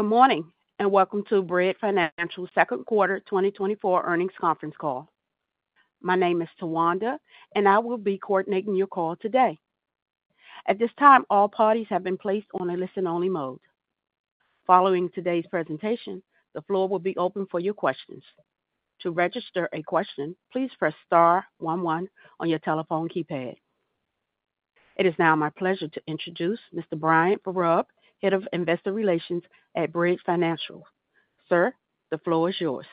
Good morning and welcome to Bread Financial's Second Quarter 2024 Earnings Conference Call. My name is Tawanda, and I will be coordinating your call today. At this time, all parties have been placed on a listen-only mode. Following today's presentation, the floor will be open for your questions. To register a question, please press star one one on your telephone keypad. It is now my pleasure to introduce Mr. Brian Vereb, Head of Investor Relations at Bread Financial. Sir, the floor is yours.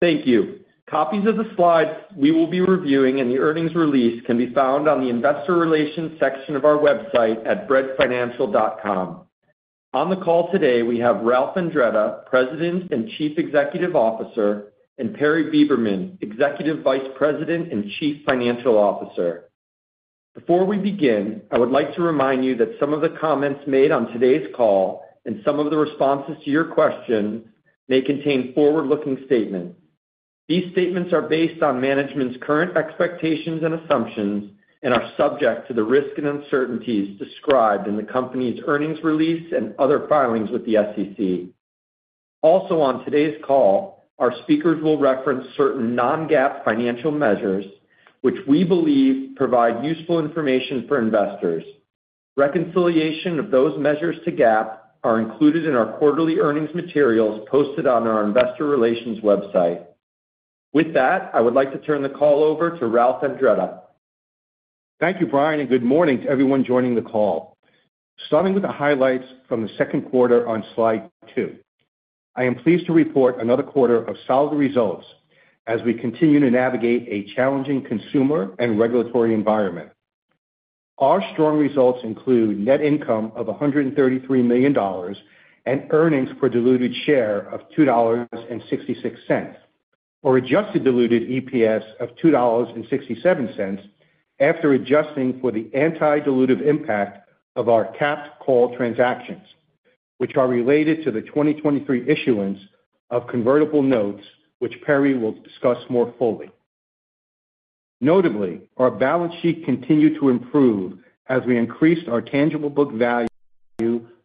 Thank you. Copies of the slides we will be reviewing and the earnings release can be found on the Investor Relations section of our website at breadfinancial.com. On the call today, we have Ralph Andretta, President and Chief Executive Officer, and Perry Beberman, Executive Vice President and Chief Financial Officer. Before we begin, I would like to remind you that some of the comments made on today's call and some of the responses to your questions may contain forward-looking statements. These statements are based on management's current expectations and assumptions and are subject to the risk and uncertainties described in the company's earnings release and other filings with the SEC. Also, on today's call, our speakers will reference certain non-GAAP financial measures, which we believe provide useful information for investors. Reconciliation of those measures to GAAP are included in our quarterly earnings materials posted on our Investor Relations website. With that, I would like to turn the call over to Ralph Andretta. Thank you, Brian, and good morning to everyone joining the call. Starting with the highlights from the second quarter on slide 2, I am pleased to report another quarter of solid results as we continue to navigate a challenging consumer and regulatory environment. Our strong results include net income of $133 million and earnings per diluted share of $2.66, or adjusted diluted EPS of $2.67 after adjusting for the anti-dilutive impact of our capped call transactions, which are related to the 2023 issuance of convertible notes, which Perry will discuss more fully. Notably, our balance sheet continued to improve as we increased our tangible book value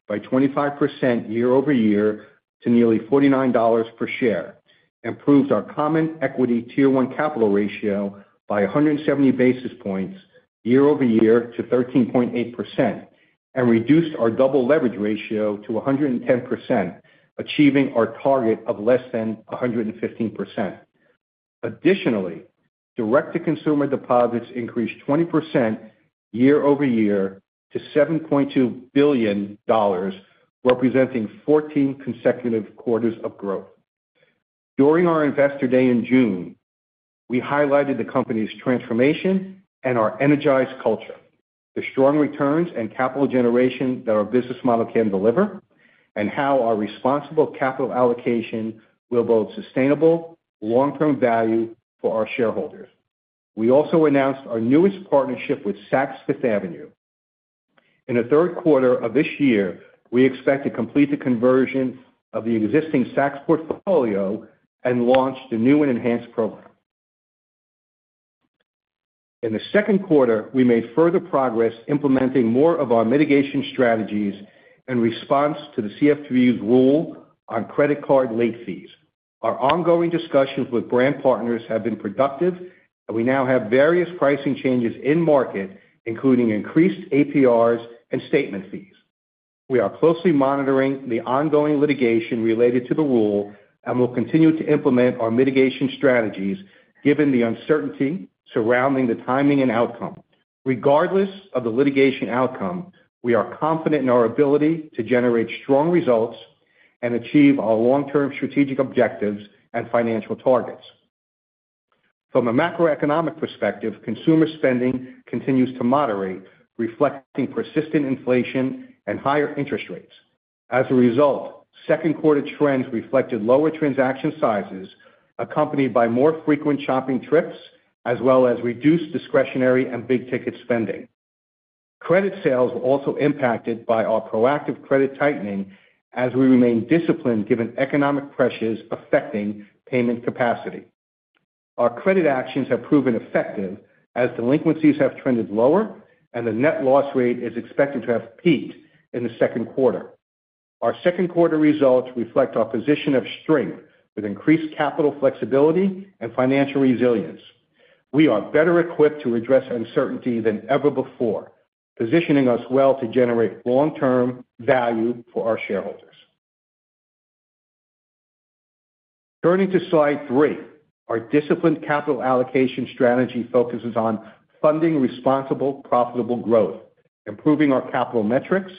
by 25% year-over-year to nearly $49 per share, improved our Common Equity Tier 1 capital ratio by 170 basis points year-over-year to 13.8%, and reduced our double leverage ratio to 110%, achieving our target of less than 115%. Additionally, direct-to-consumer deposits increased 20% year-over-year to $7.2 billion, representing 14th consecutive quarters of growth. During our Investor Day in June, we highlighted the company's transformation and our energized culture, the strong returns and capital generation that our business model can deliver, and how our responsible capital allocation will build sustainable long-term value for our shareholders. We also announced our newest partnership with Saks Fifth Avenue. In the third quarter of this year, we expect to complete the conversion of the existing Saks portfolio and launch the new and enhanced program. In the second quarter, we made further progress implementing more of our mitigation strategies in response to the CFPB's rule on credit card late fees. Our ongoing discussions with brand partners have been productive, and we now have various pricing changes in market, including increased APRs and statement fees. We are closely monitoring the ongoing litigation related to the rule and will continue to implement our mitigation strategies given the uncertainty surrounding the timing and outcome. Regardless of the litigation outcome, we are confident in our ability to generate strong results and achieve our long-term strategic objectives and financial targets. From a macroeconomic perspective, consumer spending continues to moderate, reflecting persistent inflation and higher interest rates. As a result, second-quarter trends reflected lower transaction sizes, accompanied by more frequent shopping trips, as well as reduced discretionary and big-ticket spending. Credit sales were also impacted by our proactive credit tightening as we remain disciplined given economic pressures affecting payment capacity. Our credit actions have proven effective as delinquencies have trended lower, and the net loss rate is expected to have peaked in the second quarter. Our second-quarter results reflect our position of strength with increased capital flexibility and financial resilience. We are better equipped to address uncertainty than ever before, positioning us well to generate long-term value for our shareholders. Turning to slide three, our disciplined capital allocation strategy focuses on funding responsible, profitable growth, improving our capital metrics,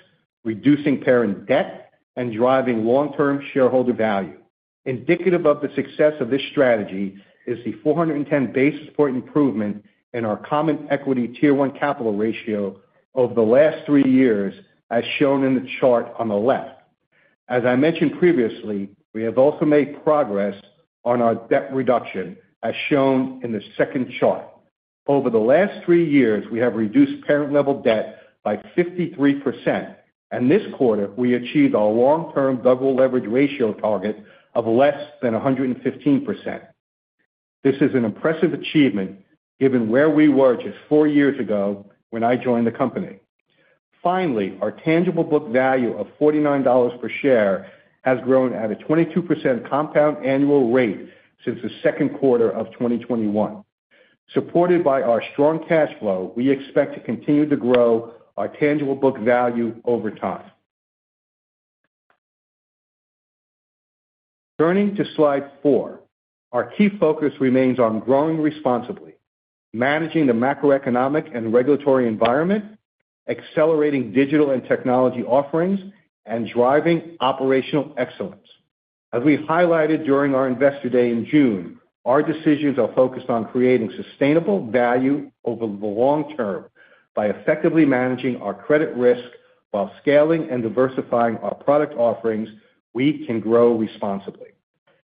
reducing parent debt, and driving long-term shareholder value. Indicative of the success of this strategy is the 410 basis point improvement in our Common Equity Tier 1 capital ratio over the last three years, as shown in the chart on the left. As I mentioned previously, we have also made progress on our debt reduction, as shown in the second chart. Over the last three years, we have reduced parent-level debt by 53%, and this quarter, we achieved our long-term double leverage ratio target of less than 115%. This is an impressive achievement given where we were just four years ago when I joined the company. Finally, our tangible book value of $49 per share has grown at a 22% compound annual rate since the second quarter of 2021. Supported by our strong cash flow, we expect to continue to grow our tangible book value over time. Turning to slide 4, our key focus remains on growing responsibly, managing the macroeconomic and regulatory environment, accelerating digital and technology offerings, and driving operational excellence. As we highlighted during our Investor Day in June, our decisions are focused on creating sustainable value over the long term. By effectively managing our credit risk while scaling and diversifying our product offerings, we can grow responsibly.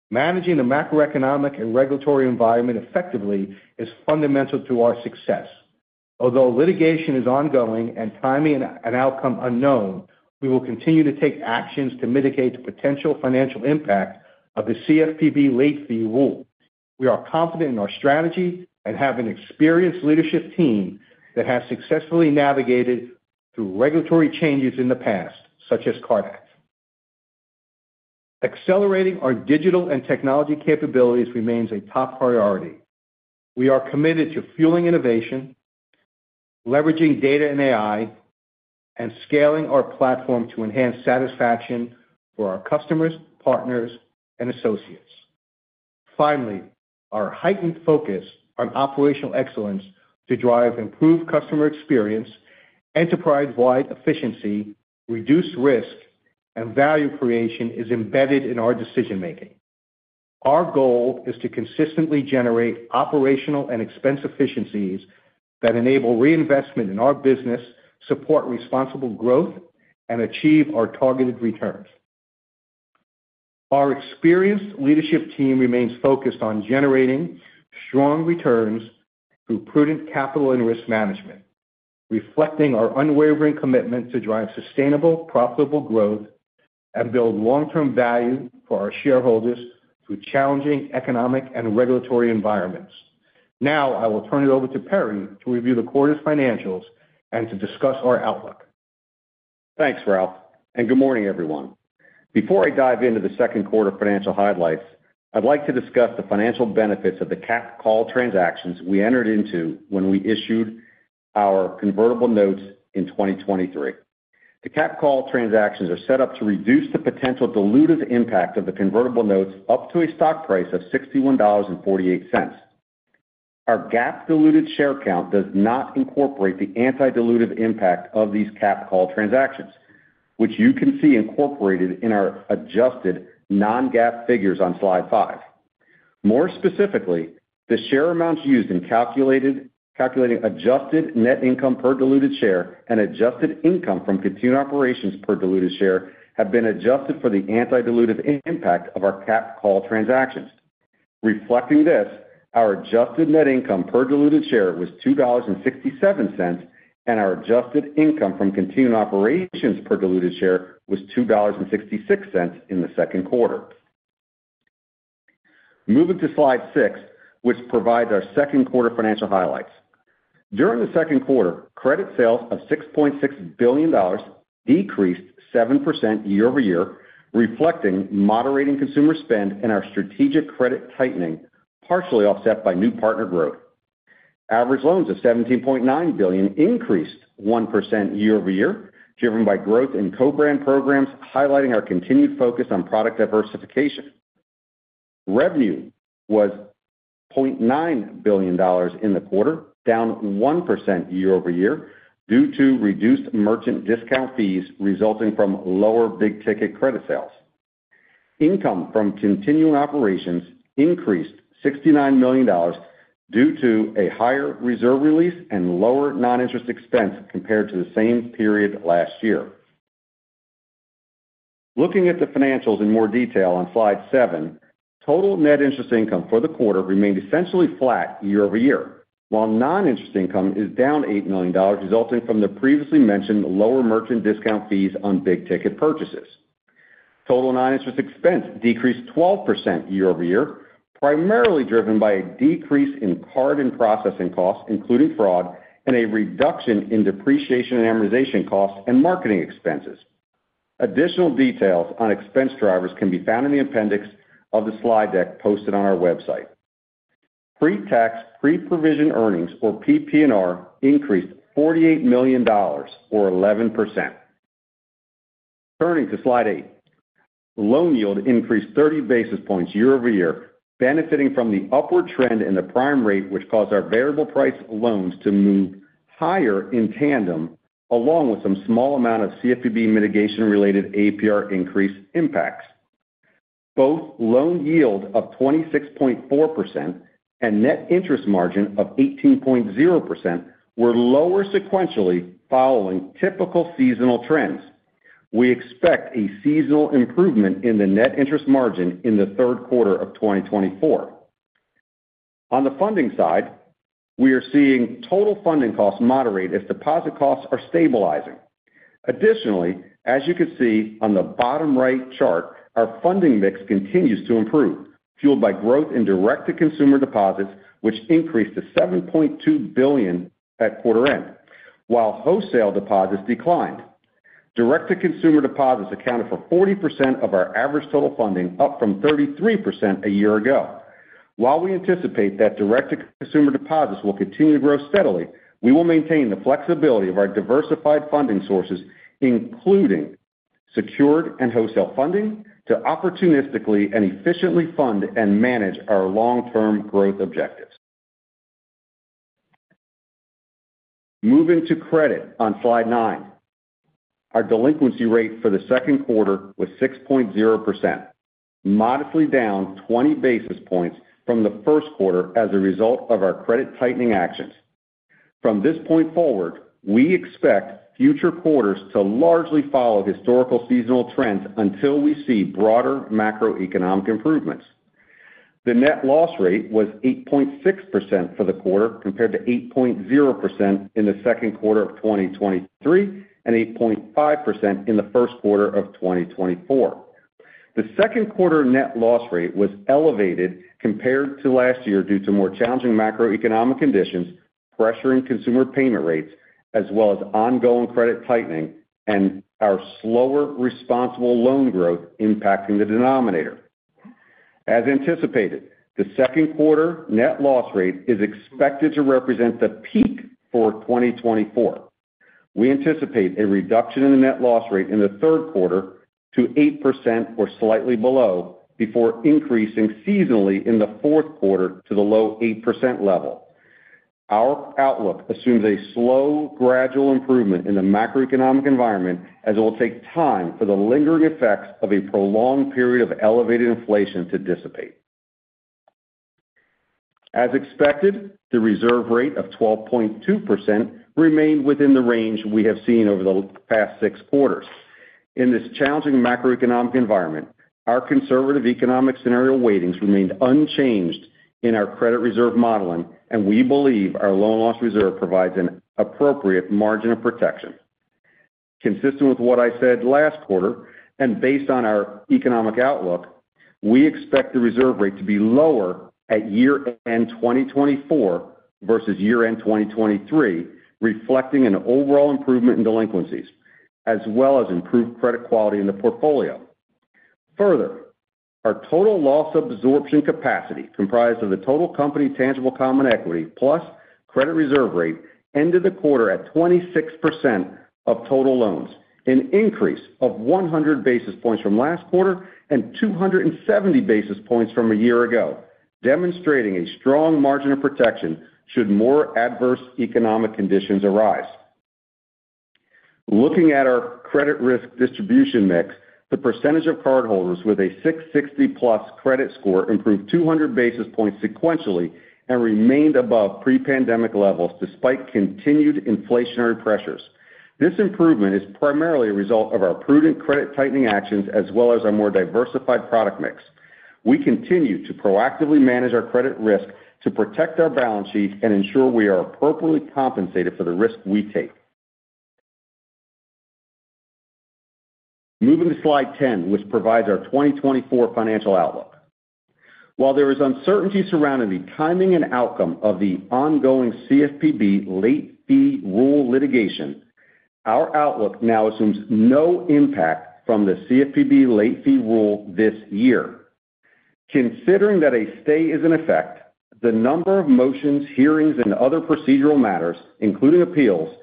Managing the macroeconomic and regulatory environment effectively is fundamental to our success. Although litigation is ongoing and timing and outcome unknown, we will continue to take actions to mitigate the potential financial impact of the CFPB late fee rule. We are confident in our strategy and have an experienced leadership team that has successfully navigated through regulatory changes in the past, such as CARD Act. Accelerating our digital and technology capabilities remains a top priority. We are committed to fueling innovation, leveraging data and AI, and scaling our platform to enhance satisfaction for our customers, partners, and associates. Finally, our heightened focus on operational excellence to drive improved customer experience, enterprise-wide efficiency, reduced risk, and value creation is embedded in our decision-making. Our goal is to consistently generate operational and expense efficiencies that enable reinvestment in our business, support responsible growth, and achieve our targeted returns. Our experienced leadership team remains focused on generating strong returns through prudent capital and risk management, reflecting our unwavering commitment to drive sustainable, profitable growth and build long-term value for our shareholders through challenging economic and regulatory environments. Now, I will turn it over to Perry to review the quarter's financials and to discuss our outlook. Thanks, Ralph, and good morning, everyone. Before I dive into the second quarter financial highlights, I'd like to discuss the financial benefits of the capped call transactions we entered into when we issued our convertible notes in 2023. The capped call transactions are set up to reduce the potential dilutive impact of the convertible notes up to a stock price of $61.48. Our GAAP-dilutive share count does not incorporate the anti-dilutive impact of these capped call transactions, which you can see incorporated in our adjusted non-GAAP figures on slide five. More specifically, the share amounts used in calculating adjusted net income per diluted share and adjusted income from continued operations per diluted share have been adjusted for the anti-dilutive impact of our capped call transactions. Reflecting this, our adjusted net income per diluted share was $2.67, and our adjusted income from continuing operations per diluted share was $2.66 in the second quarter. Moving to slide six, which provides our second quarter financial highlights. During the second quarter, credit sales of $6.6 billion decreased 7% year-over-year, reflecting moderating consumer spend and our strategic credit tightening, partially offset by new partner growth. Average loans of $17.9 billion increased 1% year-over-year, driven by growth in co-brand programs, highlighting our continued focus on product diversification. Revenue was $0.9 billion in the quarter, down 1% year-over-year due to reduced merchant discount fees resulting from lower big-ticket credit sales. Income from continuing operations increased $69 million due to a higher reserve release and lower non-interest expense compared to the same period last year. Looking at the financials in more detail on slide 7, total net interest income for the quarter remained essentially flat year-over-year, while non-interest income is down $8 million, resulting from the previously mentioned lower merchant discount fees on big-ticket purchases. Total non-interest expense decreased 12% year-over-year, primarily driven by a decrease in card and processing costs, including fraud, and a reduction in depreciation and amortization costs and marketing expenses. Additional details on expense drivers can be found in the appendix of the slide deck posted on our website. Pre-tax pre-provision earnings, or PPNR, increased $48 million, or 11%. Turning to slide 8, loan yield increased 30 basis points year-over-year, benefiting from the upward trend in the prime rate, which caused our variable price loans to move higher in tandem, along with some small amount of CFPB mitigation-related APR increase impacts. Both loan yield of 26.4% and net interest margin of 18.0% were lower sequentially following typical seasonal trends. We expect a seasonal improvement in the net interest margin in the third quarter of 2024. On the funding side, we are seeing total funding costs moderate as deposit costs are stabilizing. Additionally, as you can see on the bottom right chart, our funding mix continues to improve, fueled by growth in direct-to-consumer deposits, which increased to $7.2 billion at quarter end, while wholesale deposits declined. Direct-to-consumer deposits accounted for 40% of our average total funding, up from 33% a year ago. While we anticipate that direct-to-consumer deposits will continue to grow steadily, we will maintain the flexibility of our diversified funding sources, including secured and wholesale funding, to opportunistically and efficiently fund and manage our long-term growth objectives. Moving to credit on slide nine, our delinquency rate for the second quarter was 6.0%, modestly down 20 basis points from the first quarter as a result of our credit tightening actions. From this point forward, we expect future quarters to largely follow historical seasonal trends until we see broader macroeconomic improvements. The net loss rate was 8.6% for the quarter compared to 8.0% in the second quarter of 2023 and 8.5% in the first quarter of 2024. The second quarter net loss rate was elevated compared to last year due to more challenging macroeconomic conditions pressuring consumer payment rates, as well as ongoing credit tightening and our slower responsible loan growth impacting the denominator. As anticipated, the second quarter net loss rate is expected to represent the peak for 2024. We anticipate a reduction in the net loss rate in the third quarter to 8% or slightly below before increasing seasonally in the fourth quarter to the low 8% level. Our outlook assumes a slow, gradual improvement in the macroeconomic environment, as it will take time for the lingering effects of a prolonged period of elevated inflation to dissipate. As expected, the reserve rate of 12.2% remained within the range we have seen over the past six quarters. In this challenging macroeconomic environment, our conservative economic scenario weightings remained unchanged in our credit reserve modeling, and we believe our loan loss reserve provides an appropriate margin of protection. Consistent with what I said last quarter and based on our economic outlook, we expect the reserve rate to be lower at year-end 2024 versus year-end 2023, reflecting an overall improvement in delinquencies, as well as improved credit quality in the portfolio. Further, our total loss absorption capacity, comprised of the total company tangible common equity plus credit reserve rate, ended the quarter at 26% of total loans, an increase of 100 basis points from last quarter and 270 basis points from a year ago, demonstrating a strong margin of protection should more adverse economic conditions arise. Looking at our credit risk distribution mix, the percentage of cardholders with a 660+ credit score improved 200 basis points sequentially and remained above pre-pandemic levels despite continued inflationary pressures. This improvement is primarily a result of our prudent credit tightening actions as well as our more diversified product mix. We continue to proactively manage our credit risk to protect our balance sheet and ensure we are appropriately compensated for the risk we take. Moving to slide 10, which provides our 2024 financial outlook. While there is uncertainty surrounding the timing and outcome of the ongoing CFPB late fee rule litigation, our outlook now assumes no impact from the CFPB late fee rule this year. Considering that a stay is in effect, the number of motions, hearings, and other procedural matters, including appeals,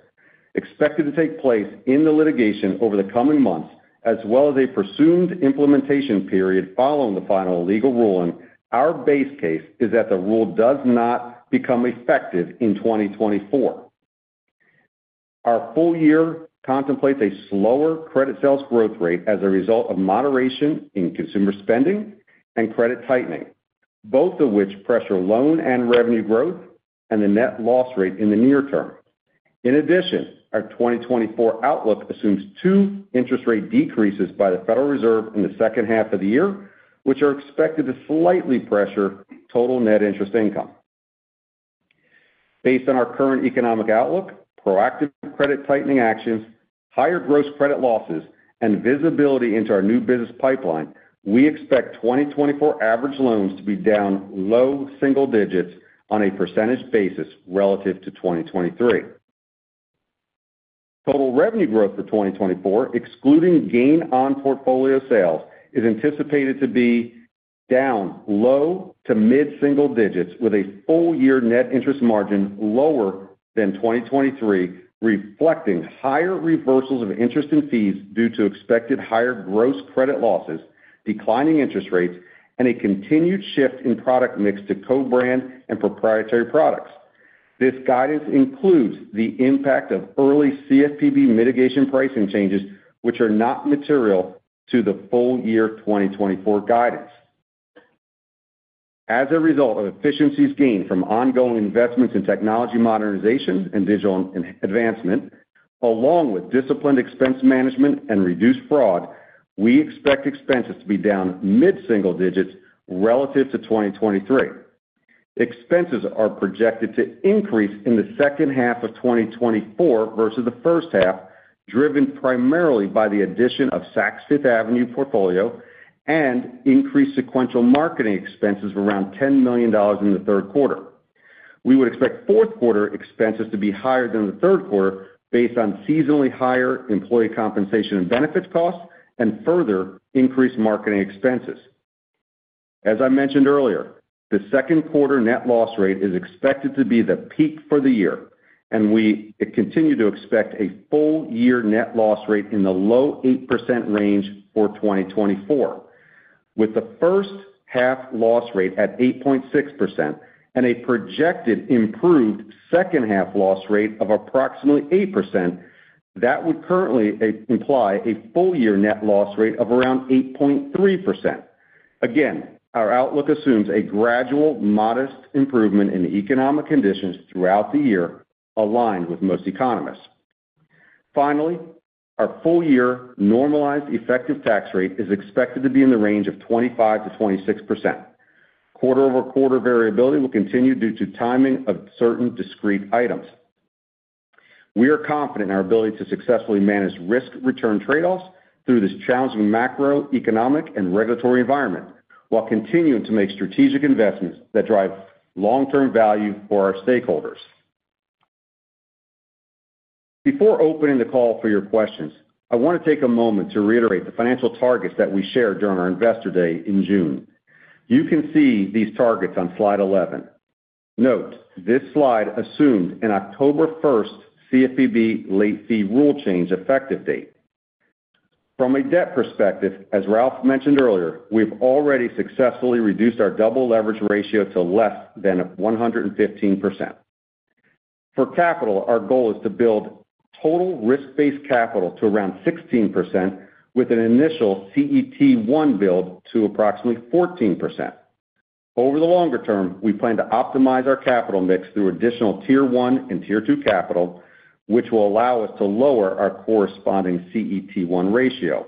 expected to take place in the litigation over the coming months, as well as a presumed implementation period following the final legal ruling, our base case is that the rule does not become effective in 2024. Our full year contemplates a slower credit sales growth rate as a result of moderation in consumer spending and credit tightening, both of which pressure loan and revenue growth and the net loss rate in the near term. In addition, our 2024 outlook assumes two interest rate decreases by the Federal Reserve in the second half of the year, which are expected to slightly pressure total net interest income. Based on our current economic outlook, proactive credit tightening actions, higher gross credit losses, and visibility into our new business pipeline, we expect 2024 average loans to be down low single digits on a percentage basis relative to 2023. Total revenue growth for 2024, excluding gain on portfolio sales, is anticipated to be down low to mid-single digits, with a full-year net interest margin lower than 2023, reflecting higher reversals of interest and fees due to expected higher gross credit losses, declining interest rates, and a continued shift in product mix to co-brand and proprietary products. This guidance includes the impact of early CFPB mitigation pricing changes, which are not material to the full-year 2024 guidance. As a result of efficiencies gained from ongoing investments in technology modernization and digital advancement, along with disciplined expense management and reduced fraud, we expect expenses to be down mid-single digits relative to 2023. Expenses are projected to increase in the second half of 2024 versus the first half, driven primarily by the addition of Saks Fifth Avenue portfolio and increased sequential marketing expenses of around $10 million in the third quarter. We would expect fourth-quarter expenses to be higher than the third quarter based on seasonally higher employee compensation and benefits costs and further increased marketing expenses. As I mentioned earlier, the second quarter net loss rate is expected to be the peak for the year, and we continue to expect a full-year net loss rate in the low 8% range for 2024. With the first half loss rate at 8.6% and a projected improved second half loss rate of approximately 8%, that would currently imply a full-year net loss rate of around 8.3%. Again, our outlook assumes a gradual, modest improvement in economic conditions throughout the year, aligned with most economists. Finally, our full-year normalized effective tax rate is expected to be in the range of 25%-26%. Quarter-over-quarter variability will continue due to timing of certain discrete items. We are confident in our ability to successfully manage risk-return trade-offs through this challenging macroeconomic and regulatory environment, while continuing to make strategic investments that drive long-term value for our stakeholders. Before opening the call for your questions, I want to take a moment to reiterate the financial targets that we shared during our Investor Day in June. You can see these targets on slide 11. Note this slide assumed an October 1st CFPB late fee rule change effective date. From a debt perspective, as Ralph mentioned earlier, we have already successfully reduced our double leverage ratio to less than 115%. For capital, our goal is to build total risk-based capital to around 16%, with an initial CET1 build to approximately 14%. Over the longer term, we plan to optimize our capital mix through additional Tier 1 and Tier 2 capital, which will allow us to lower our corresponding CET1 ratio.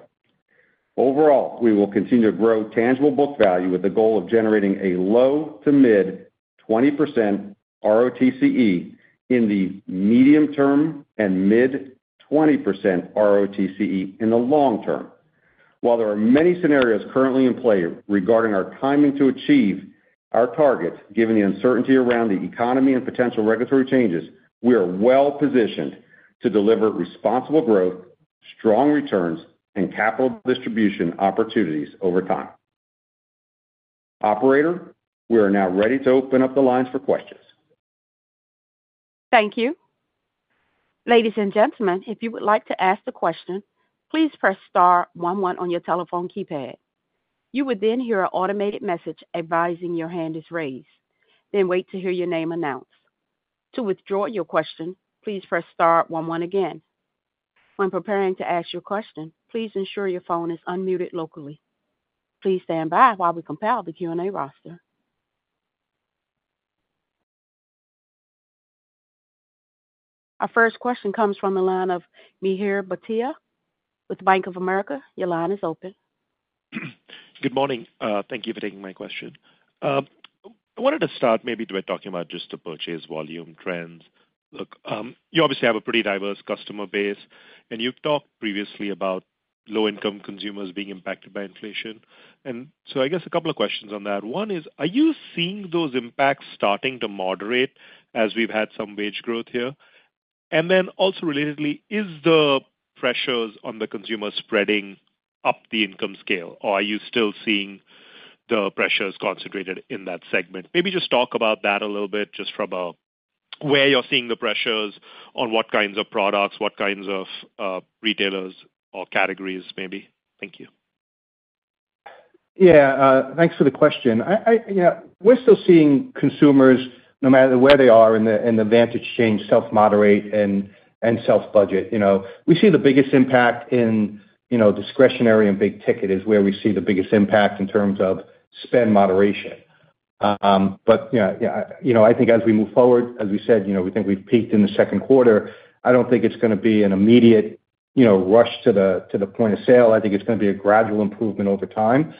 Overall, we will continue to grow tangible book value with the goal of generating a low- to mid-20% ROTCE in the medium term and mid-20% ROTCE in the long term. While there are many scenarios currently in play regarding our timing to achieve our targets, given the uncertainty around the economy and potential regulatory changes, we are well positioned to deliver responsible growth, strong returns, and capital distribution opportunities over time. Operator, we are now ready to open up the lines for questions. Thank you. Ladies and gentlemen, if you would like to ask a question, please press star one one on your telephone keypad. You will then hear an automated message advising your hand is raised. Then wait to hear your name announced. To withdraw your question, please press star one one again. When preparing to ask your question, please ensure your phone is unmuted locally. Please stand by while we compile the Q&A roster. Our first question comes from the line of Mihir Bhatia with Bank of America. Your line is open. Good morning. Thank you for taking my question. I wanted to start maybe by talking about just the purchase volume trends. Look, you obviously have a pretty diverse customer base, and you've talked previously about low-income consumers being impacted by inflation. So I guess a couple of questions on that. One is, are you seeing those impacts starting to moderate as we've had some wage growth here? And then also relatedly, is the pressures on the consumer spreading up the income scale, or are you still seeing the pressures concentrated in that segment? Maybe just talk about that a little bit, just from where you're seeing the pressures on what kinds of products, what kinds of retailers or categories maybe? Thank you. Yeah, thanks for the question. We're still seeing consumers, no matter where they are in the value chain, self-moderate and self-budget. We see the biggest impact in discretionary and big ticket is where we see the biggest impact in terms of spend moderation. But I think as we move forward, as we said, we think we've peaked in the second quarter. I don't think it's going to be an immediate rush to the point of sale. I think it's going to be a gradual improvement over time.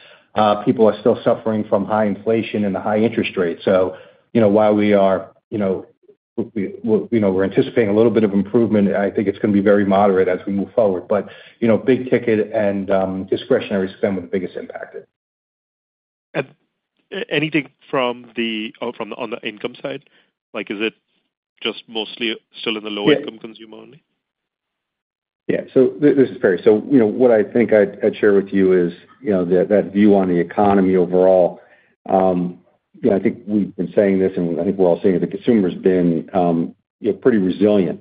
People are still suffering from high inflation and the high interest rate. So while we are anticipating a little bit of improvement, I think it's going to be very moderate as we move forward. But big ticket and discretionary spend were the biggest impacted. Anything from the income side? Is it just mostly still in the low-income consumer only? Yeah. So this is Perry. So what I think I'd share with you is that view on the economy overall. I think we've been saying this, and I think we're all seeing it. The consumer has been pretty resilient,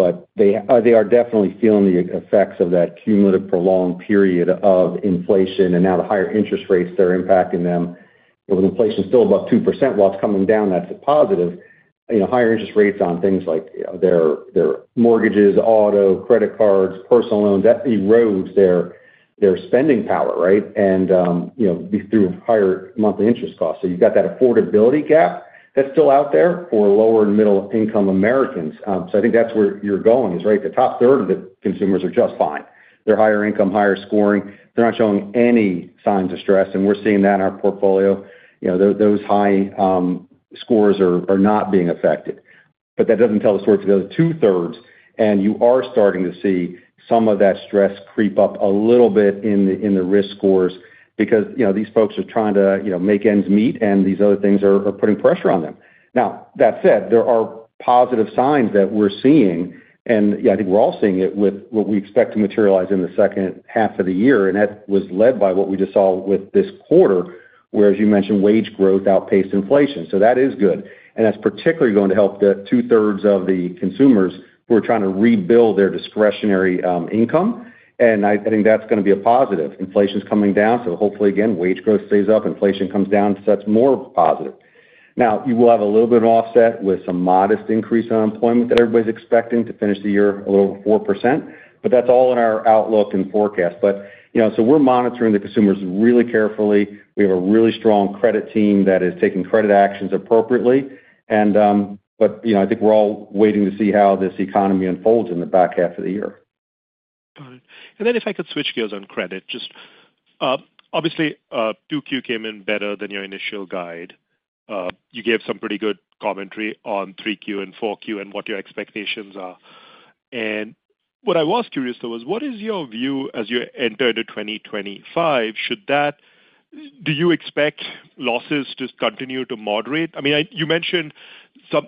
but they are definitely feeling the effects of that cumulative prolonged period of inflation and now the higher interest rates that are impacting them. With inflation still above 2% while it's coming down, that's a positive. Higher interest rates on things like their mortgages, auto, credit cards, personal loans, that erodes their spending power, right? And through higher monthly interest costs. So you've got that affordability gap that's still out there for lower and middle-income Americans. So I think that's where you're going is right at the top third of the consumers are just fine. They're higher income, higher scoring. They're not showing any signs of stress, and we're seeing that in our portfolio. Those high scores are not being affected. But that doesn't tell the story to the other two-thirds, and you are starting to see some of that stress creep up a little bit in the risk scores because these folks are trying to make ends meet, and these other things are putting pressure on them. Now, that said, there are positive signs that we're seeing, and I think we're all seeing it with what we expect to materialize in the second half of the year. And that was led by what we just saw with this quarter, where, as you mentioned, wage growth outpaced inflation. So that is good. And that's particularly going to help the two-thirds of the consumers who are trying to rebuild their discretionary income. And I think that's going to be a positive. Inflation's coming down, so hopefully, again, wage growth stays up, inflation comes down, so that's more positive. Now, you will have a little bit of offset with some modest increase in unemployment that everybody's expecting to finish the year a little over 4%. But that's all in our outlook and forecast. But so we're monitoring the consumers really carefully. We have a really strong credit team that is taking credit actions appropriately. But I think we're all waiting to see how this economy unfolds in the back half of the year. Got it. And then if I could switch gears on credit, just obviously, 2Q came in better than your initial guide. You gave some pretty good commentary on 3Q and 4Q and what your expectations are. And what I was curious, though, was what is your view as you enter into 2025? Do you expect losses to continue to moderate? I mean, you mentioned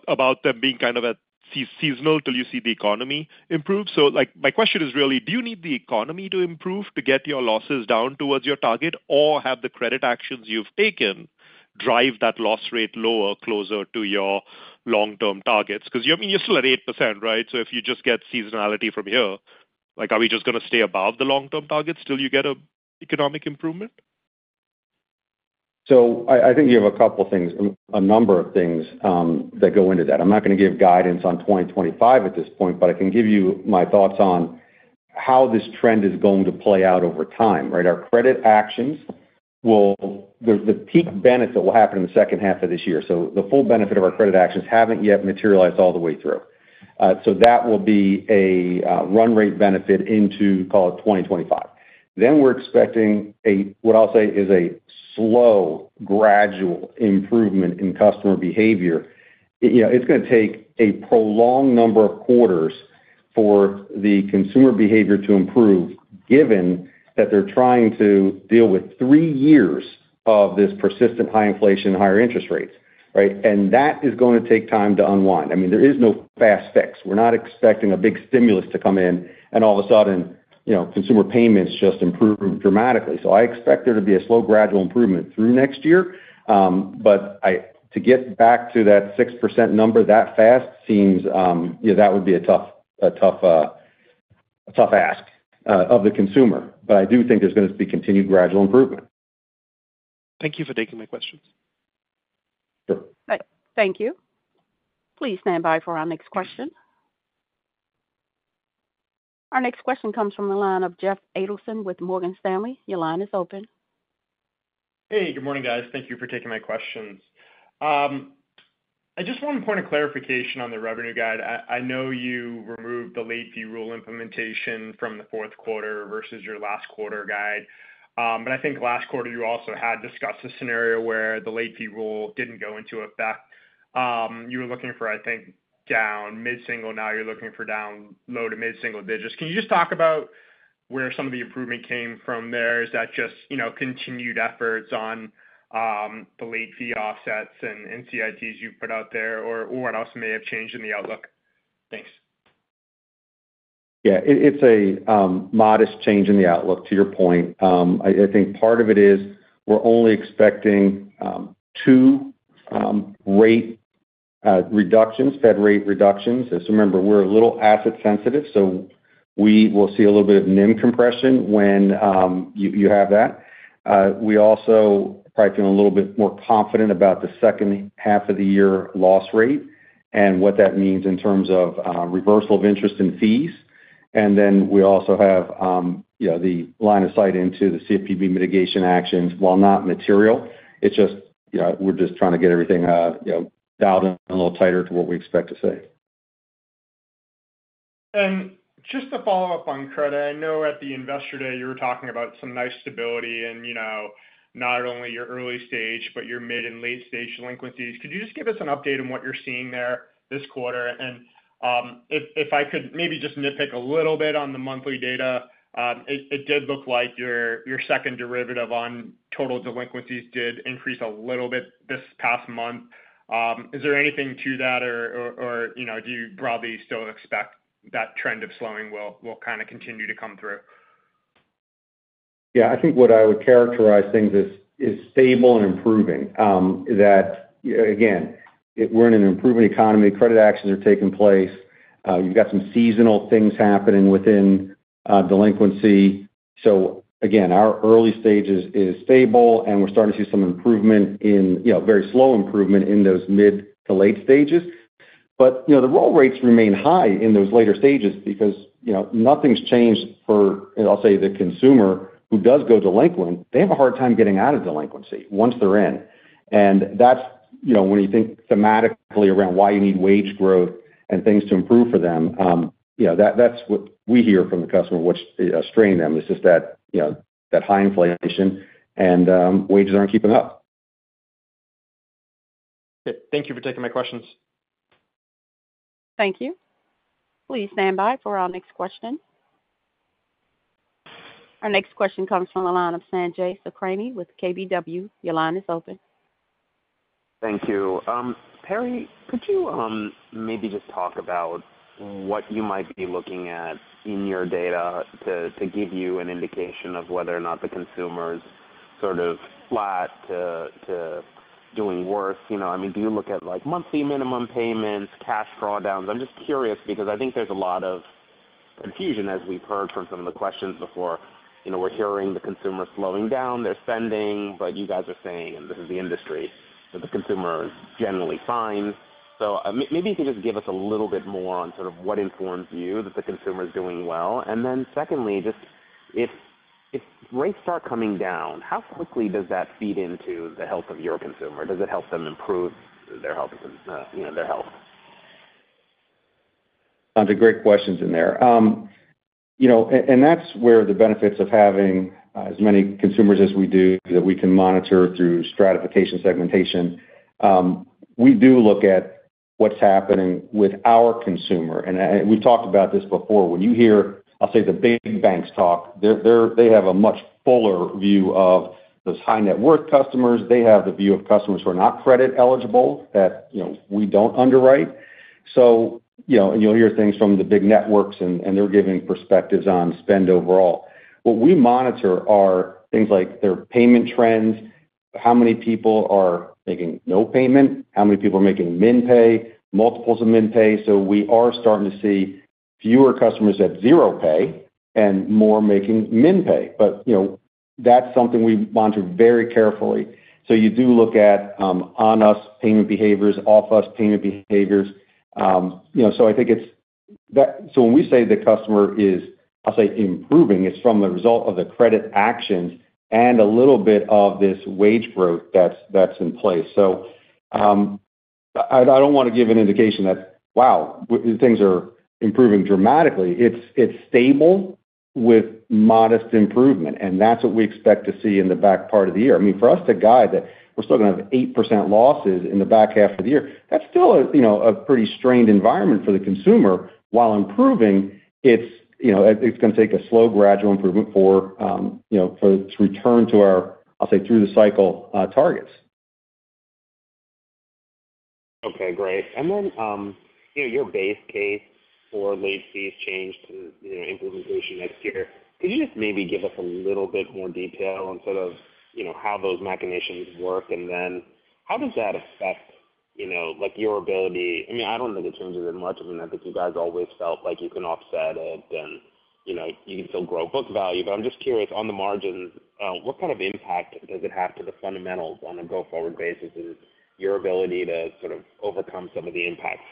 about them being kind of seasonal till you see the economy improve. So my question is really, do you need the economy to improve to get your losses down towards your target, or have the credit actions you've taken drive that loss rate lower, closer to your long-term targets? Because I mean, you're still at 8%, right? So if you just get seasonality from here, are we just going to stay above the long-term target still, you get an economic improvement? So I think you have a couple of things, a number of things that go into that. I'm not going to give guidance on 2025 at this point, but I can give you my thoughts on how this trend is going to play out over time, right? Our credit actions, the peak benefit will happen in the second half of this year. So the full benefit of our credit actions haven't yet materialized all the way through. So that will be a run rate benefit into, call it 2025. Then we're expecting what I'll say is a slow, gradual improvement in customer behavior. It's going to take a prolonged number of quarters for the consumer behavior to improve, given that they're trying to deal with three years of this persistent high inflation and higher interest rates, right? And that is going to take time to unwind. I mean, there is no fast fix. We're not expecting a big stimulus to come in and all of a sudden consumer payments just improve dramatically. So I expect there to be a slow, gradual improvement through next year. But to get back to that 6% number that fast, that would be a tough ask of the consumer. But I do think there's going to be continued gradual improvement. Thank you for taking my questions. Thank you. Please stand by for our next question. Our next question comes from the line of Jeff Adelson with Morgan Stanley. Your line is open. Hey, good morning, guys. Thank you for taking my questions. I just want to point a clarification on the revenue guide. I know you removed the late fee rule implementation from the fourth quarter versus your last quarter guide. But I think last quarter you also had discussed a scenario where the late fee rule didn't go into effect. You were looking for, I think, down mid-single. Now you're looking for down low to mid-single digits. Can you just talk about where some of the improvement came from there? Is that just continued efforts on the late fee offsets and CITs you've put out there, or what else may have changed in the outlook? Thanks. Yeah. It's a modest change in the outlook to your point. I think part of it is we're only expecting 2 rate reductions, Fed rate reductions. So remember, we're a little asset sensitive, so we will see a little bit of NIM compression when you have that. We also are probably feeling a little bit more confident about the second half of the year loss rate and what that means in terms of reversal of interest and fees. And then we also have the line of sight into the CFPB mitigation actions. While not material, it's just we're just trying to get everything dialed in a little tighter to what we expect to say. And just to follow up on credit, I know at the Investor Day you were talking about some nice stability in not only your early stage, but your mid and late stage delinquencies. Could you just give us an update on what you're seeing there this quarter? If I could maybe just nitpick a little bit on the monthly data, it did look like your second derivative on total delinquencies did increase a little bit this past month. Is there anything to that, or do you broadly still expect that trend of slowing will kind of continue to come through? Yeah. I think what I would characterize things as stable and improving, that again, we're in an improving economy. Credit actions are taking place. You've got some seasonal things happening within delinquency. So again, our early stage is stable, and we're starting to see some improvement in very slow improvement in those mid to late stages. But the roll rates remain high in those later stages because nothing's changed for, I'll say, the consumer who does go delinquent. They have a hard time getting out of delinquency once they're in. And that's when you think thematically around why you need wage growth and things to improve for them. That's what we hear from the customer, which is straining them. It's just that high inflation and wages aren't keeping up. Thank you for taking my questions. Thank you. Please stand by for our next question. Our next question comes from the line of Sanjay Sakhrani with KBW. Your line is open. Thank you. Perry, could you maybe just talk about what you might be looking at in your data to give you an indication of whether or not the consumer's sort of flat to doing worse? I mean, do you look at monthly minimum payments, cash drawdowns? I'm just curious because I think there's a lot of confusion, as we've heard from some of the questions before. We're hearing the consumer slowing down their spending, but you guys are saying, and this is the industry, that the consumer is generally fine. So maybe you could just give us a little bit more on sort of what informs you that the consumer is doing well. And then secondly, just if rates start coming down, how quickly does that feed into the health of your consumer? Does it help them improve their health? Sounds like great questions in there. And that's where the benefits of having as many consumers as we do that we can monitor through stratification segmentation. We do look at what's happening with our consumer. And we've talked about this before. When you hear, I'll say, the big banks talk, they have a much fuller view of those high-net-worth customers. They have the view of customers who are not credit eligible that we don't underwrite. You'll hear things from the big networks, and they're giving perspectives on spend overall. What we monitor are things like their payment trends, how many people are making no payment, how many people are making min-pay, multiples of min-pay. So we are starting to see fewer customers at zero pay and more making min-pay. But that's something we monitor very carefully. So you do look at on-us payment behaviors, off-us payment behaviors. So I think it's, so when we say the customer is, I'll say, improving, it's from the result of the credit actions and a little bit of this wage growth that's in place. So I don't want to give an indication that, wow, things are improving dramatically. It's stable with modest improvement, and that's what we expect to see in the back part of the year. I mean, for us to guide that we're still going to have 8% losses in the back half of the year, that's still a pretty strained environment for the consumer. While improving, it's going to take a slow, gradual improvement for its return to our, I'll say, through-the-cycle targets. Okay. Great. And then your base case for late fees changed implementation next year. Could you just maybe give us a little bit more detail on sort of how those machinations work? And then how does that affect your ability? I mean, I don't think it changes as much. I mean, I think you guys always felt like you can offset it, and you can still grow book value. But I'm just curious, on the margins, what kind of impact does it have to the fundamentals on a go-forward basis and your ability to sort of overcome some of the impacts?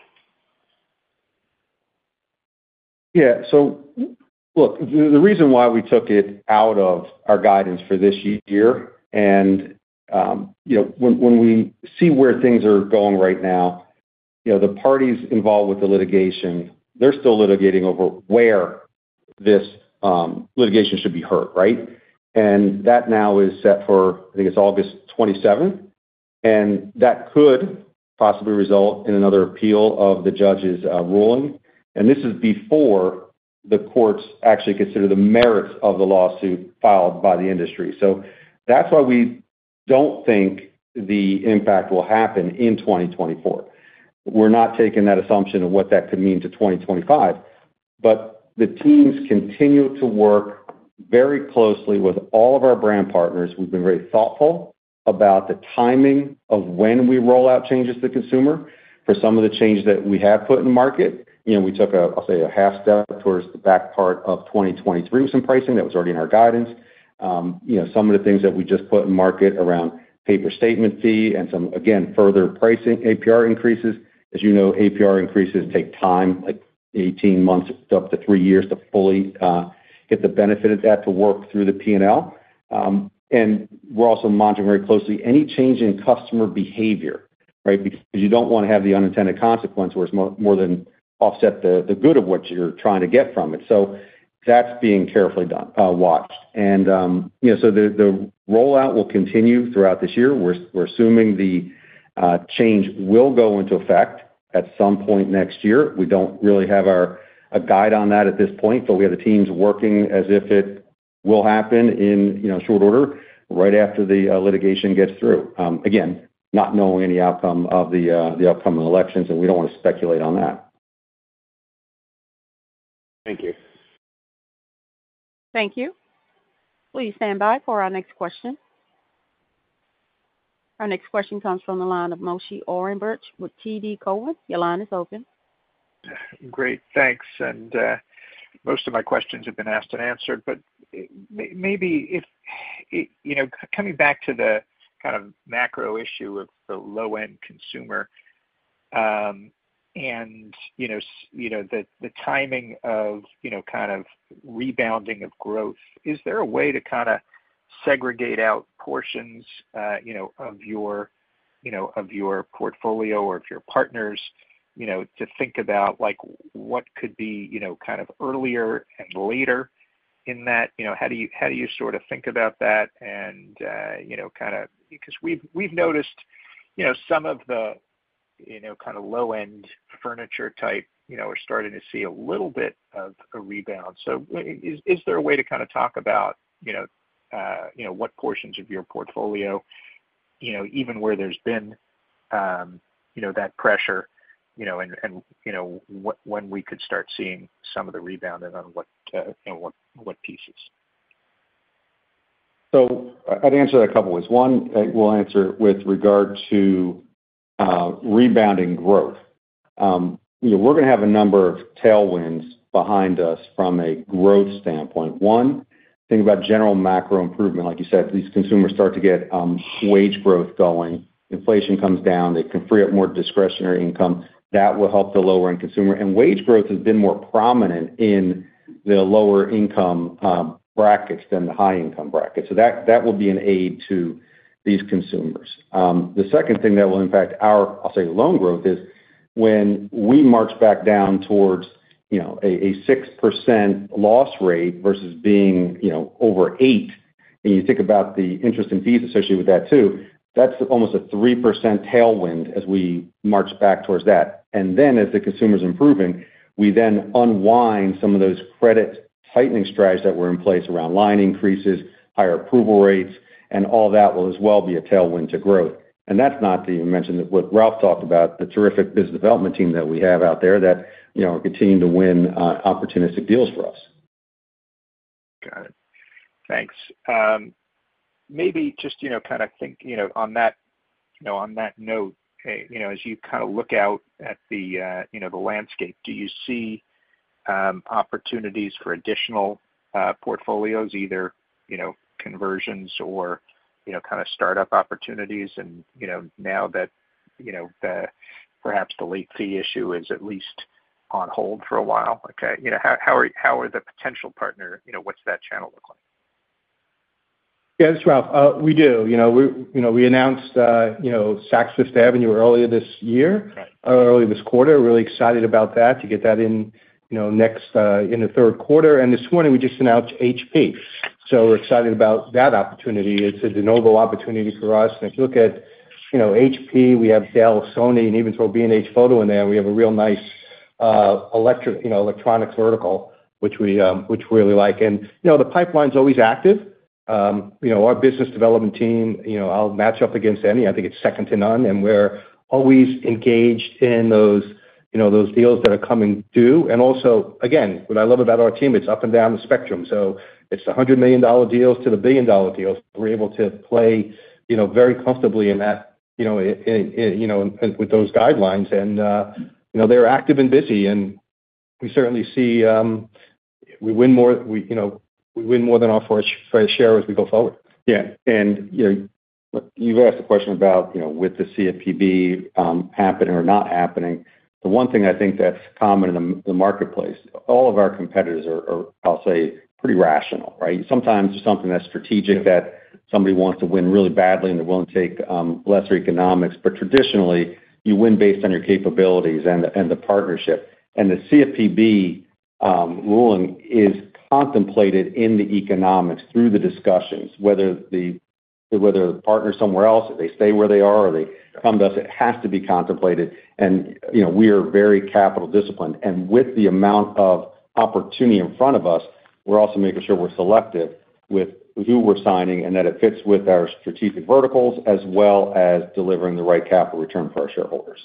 Yeah. So look, the reason why we took it out of our guidance for this year and when we see where things are going right now, the parties involved with the litigation, they're still litigating over where this litigation should be heard, right? And that now is set for, I think it's August 27. And that could possibly result in another appeal of the judge's ruling. And this is before the courts actually consider the merits of the lawsuit filed by the industry. So that's why we don't think the impact will happen in 2024. We're not taking that assumption of what that could mean to 2025. But the teams continue to work very closely with all of our brand partners. We've been very thoughtful about the timing of when we roll out changes to the consumer for some of the changes that we have put in the market. We took, I'll say, a half step towards the back part of 2023 with some pricing that was already in our guidance. Some of the things that we just put in market around paper statement fee and some, again, further pricing APR increases. As you know, APR increases take time, like 18 months up to 3 years to fully get the benefit of that to work through the P&L. And we're also monitoring very closely any change in customer behavior, right? Because you don't want to have the unintended consequence where it's more than offset the good of what you're trying to get from it. So that's being carefully watched. And so the rollout will continue throughout this year. We're assuming the change will go into effect at some point next year. We don't really have a guide on that at this point, but we have the teams working as if it will happen in short order right after the litigation gets through. Again, not knowing any outcome of the upcoming elections, and we don't want to speculate on that. Thank you. Thank you. Please stand by for our next question. Our next question comes from the line of Moshe Orenbuch with TD Cowen. Your line is open. Great. Thanks. And most of my questions have been asked and answered. But maybe coming back to the kind of macro issue of the low-end consumer and the timing of kind of rebounding of growth, is there a way to kind of segregate out portions of your portfolio or of your partners to think about what could be kind of earlier and later in that? How do you sort of think about that and kind of because we've noticed some of the kind of low-end furniture type are starting to see a little bit of a rebound? So is there a way to kind of talk about what portions of your portfolio, even where there's been that pressure, and when we could start seeing some of the rebound and on what pieces? So I'd answer that a couple of ways. One, I will answer with regard to rebounding growth. We're going to have a number of tailwinds behind us from a growth standpoint. One, think about general macro improvement. Like you said, these consumers start to get wage growth going. Inflation comes down. They can free up more discretionary income. That will help the lower-end consumer. And wage growth has been more prominent in the lower-income brackets than the high-income bracket. So that will be an aid to these consumers. The second thing that will impact our, I'll say, loan growth is when we march back down towards a 6% loss rate versus being over 8%. And you think about the interest and fees associated with that too. That's almost a 3% tailwind as we march back towards that. And then as the consumer's improving, we then unwind some of those credit tightening strategies that were in place around line increases, higher approval rates, and all that will as well be a tailwind to growth. And that's not the you mentioned that what Ralph talked about, the terrific business development team that we have out there that continue to win opportunistic deals for us. Got it. Thanks. Maybe just kind of think on that note, as you kind of look out at the landscape, do you see opportunities for additional portfolios, either conversions or kind of startup opportunities? And now that perhaps the late fee issue is at least on hold for a while, okay, how are the potential partner what's that channel look like? Yeah. That's Ralph. We do. We announced Saks Fifth Avenue earlier this year, earlier this quarter. We're really excited about that to get that in next in the third quarter. And this morning, we just announced HP. So we're excited about that opportunity. It's a de novo opportunity for us. And if you look at HP, we have Dell, Sony, and even to B&H Photo in there, we have a real nice electronics vertical, which we really like. And the pipeline's always active. Our business development team, I'll match up against any. I think it's second to none. And we're always engaged in those deals that are coming due. And also, again, what I love about our team, it's up and down the spectrum. So it's the $100 million deals to the billion-dollar deals. We're able to play very comfortably in that with those guidelines. And they're active and busy. And we certainly see we win more than our fair share as we go forward. Yeah. And you've asked a question about with the CFPB happening or not happening. The one thing I think that's common in the marketplace, all of our competitors are, I'll say, pretty rational, right? Sometimes there's something that's strategic that somebody wants to win really badly, and they're willing to take lesser economics. But traditionally, you win based on your capabilities and the partnership. The CFPB ruling is contemplated in the economics through the discussions, whether the partners somewhere else, they stay where they are, or they come to us. It has to be contemplated. We are very capital disciplined. With the amount of opportunity in front of us, we're also making sure we're selective with who we're signing and that it fits with our strategic verticals as well as delivering the right capital return for our shareholders.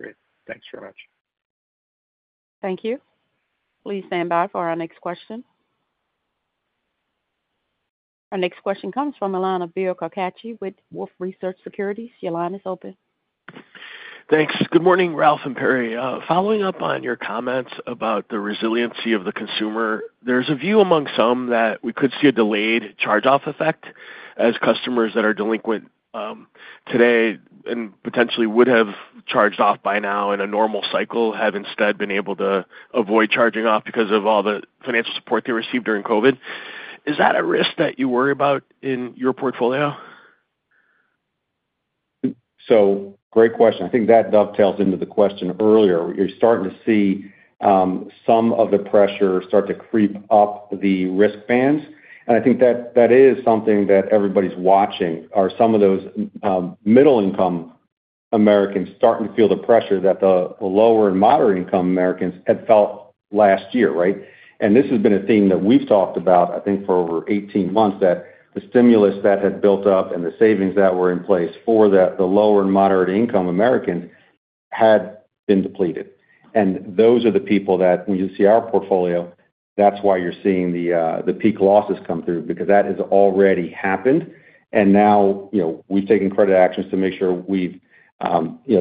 Great. Thanks very much. Thank you. Please stand by for our next question. Our next question comes from Bill Carcache with Wolfe Research. Your line is open. Thanks. Good morning, Ralph and Perry. Following up on your comments about the resiliency of the consumer, there's a view among some that we could see a delayed charge-off effect as customers that are delinquent today and potentially would have charged off by now in a normal cycle have instead been able to avoid charging off because of all the financial support they received during COVID. Is that a risk that you worry about in your portfolio? So, great question. I think that dovetails into the question earlier. You're starting to see some of the pressure start to creep up the risk bands. And I think that is something that everybody's watching, or some of those middle-income Americans starting to feel the pressure that the lower and moderate-income Americans had felt last year, right? This has been a theme that we've talked about, I think, for over 18 months, that the stimulus that had built up and the savings that were in place for the lower and moderate-income Americans had been depleted. Those are the people that, when you see our portfolio, that's why you're seeing the peak losses come through, because that has already happened. And now we've taken credit actions to make sure we've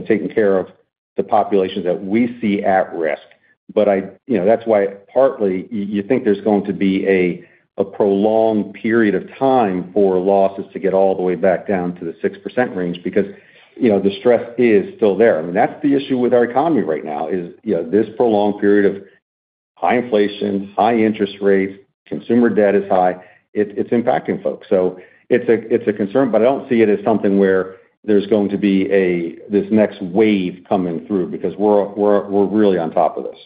taken care of the populations that we see at risk. But that's why partly you think there's going to be a prolonged period of time for losses to get all the way back down to the 6% range because the stress is still there. I mean, that's the issue with our economy right now, is this prolonged period of high inflation, high interest rates, consumer debt is high. It's impacting folks. So it's a concern, but I don't see it as something where there's going to be this next wave coming through because we're really on top of this.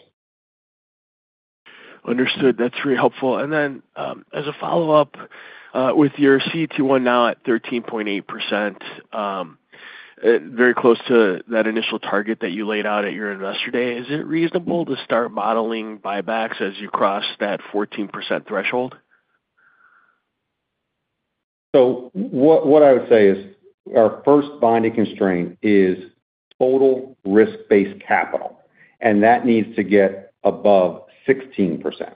Understood. That's very helpful. And then as a follow-up, with your CET1 now at 13.8%, very close to that initial target that you laid out at your Investor Day, is it reasonable to start modeling buybacks as you cross that 14% threshold? So what I would say is our first binding constraint is total risk-based capital, and that needs to get above 16%.